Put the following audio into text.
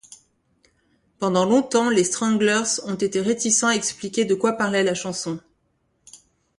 Pendant longtemps, les Stranglers ont été réticents à expliquer de quoi parlait la chanson.